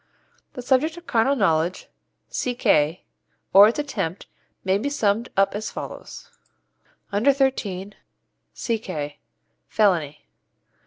The subject of carnal knowledge (C.K.) or its attempt may be summed up as follows: Under thirteen C.K. Felony.